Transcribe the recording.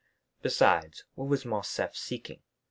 Besides, what was Morcerf seeking?